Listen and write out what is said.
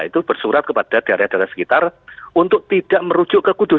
itu bersurat kepada daerah daerah sekitar untuk tidak merujuk di di di di di di di di di